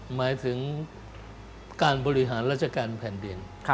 หมายถึงการบริหารราชการแผ่นดิน